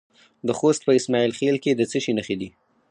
د خوست په اسماعیل خیل کې د څه شي نښې دي؟